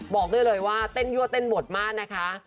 บอกได้เลยว่าเต้นยั่วเต้นบทมากนะคะ